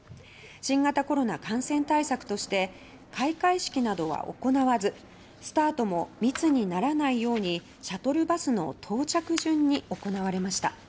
新型コロナ感染対策として開会式などは行わずスタートも密にならないようにシャトルバスの到着順に行われました。